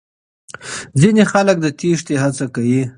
ځينې خلک د تېښتې هڅه کوي.